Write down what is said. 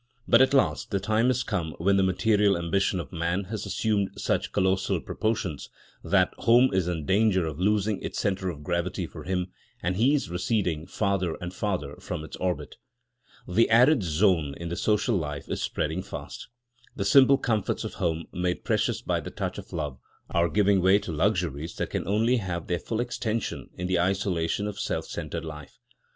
But at last the time has come when the material ambition of man has assumed such colossal proportions that home is in danger of losing its centre of gravity for him, and he is receding farther and farther from its orbit. The arid zone in the social life is spreading fast. The simple comforts of home, made precious by the touch of love, are giving way to luxuries that can only have their full extension in the isolation of self centred life.